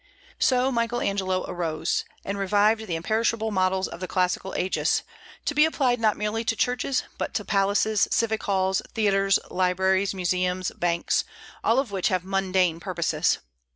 So Michael Angelo arose, and revived the imperishable models of the classical ages, to be applied not merely to churches but to palaces, civic halls, theatres, libraries, museums, banks, all of which have mundane purposes.